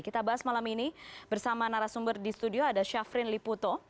kita bahas malam ini bersama narasumber di studio ada syafrin liputo